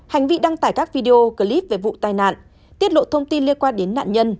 hành vi đăng tải các video clip về vụ tai nạn tiết lộ thông tin liên quan đến nạn nhân